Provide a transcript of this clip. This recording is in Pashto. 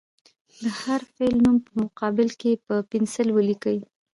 د هر فعل نوم په مقابل کې په پنسل ولیکئ.